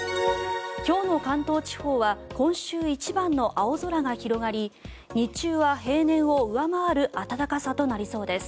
今日の関東地方は今週一番の青空が広がり日中は平年を上回る暖かさとなりそうです。